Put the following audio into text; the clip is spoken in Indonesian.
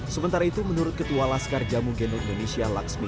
sementara itu menurut ketua laskar jamu genu indonesia laksmi